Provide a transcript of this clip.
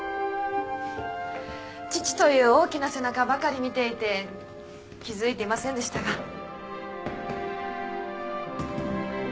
父という大きな背中ばかり見ていて気付いていませんでしたが。